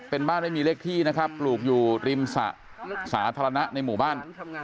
เป็นบ้านไม่มีเลขที่นะครับปลูกอยู่ริมสระสาธารณะในหมู่บ้าน